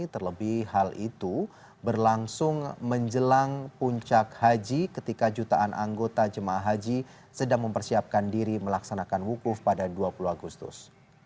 terlebih hal itu berlangsung menjelang puncak haji ketika jutaan anggota jemaah haji sedang mempersiapkan diri melaksanakan wukuf pada dua puluh agustus